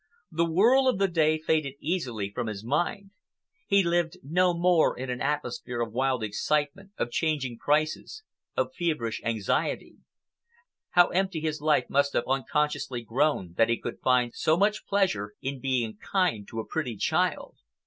The whirl of the day faded easily from his mind. He lived no more in an atmosphere of wild excitement, of changing prices, of feverish anxiety. How empty his life must have unconsciously grown that he could find so much pleasure in being kind to a pretty child!